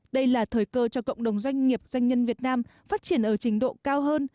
đây là thời cơ cho cộng đồng doanh nghiệp doanh nhân việt nam phát triển ở trình độ cao hơn